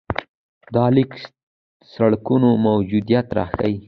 دا لیک د سړکونو موجودیت راښيي.